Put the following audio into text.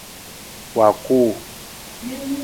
Wa kuu.